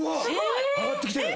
上がってきてる。